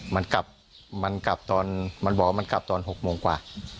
มันกลับมันกลับตอนมันบอกว่ามันกลับตอน๖โมงกว่า